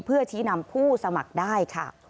เพื่อชี้นำผู้สมัครได้ค่ะ